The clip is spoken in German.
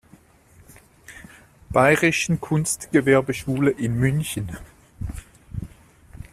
Bayrischen Kunstgewerbeschule in München.